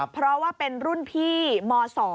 เพราะว่าเป็นรุ่นพี่ม๒